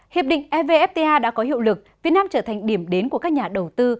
hiệp định evfta đã có hiệu lực việt nam trở thành điểm đến của các nhà đầu tư